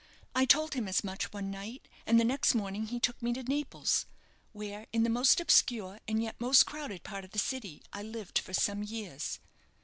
I told him as much one night, and the next morning he took me to Naples, where, in the most obscure and yet most crowded part of the city, I lived for some years.